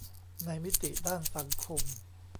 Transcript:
ในมิติด้านสังคม